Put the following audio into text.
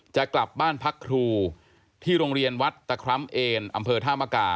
จะกลับบ้านพักครูที่โรงเรียนวัดตะคร้ำเอนอำเภอธามกา